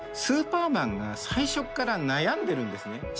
スーパーマンが最初っから悩んでるんですね。